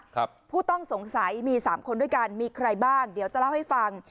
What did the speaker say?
ผู้ต้องสงสัยมีสามคนด้วยกันมีใครบ้างเดี๋ยวจะเล่าให้ฟัง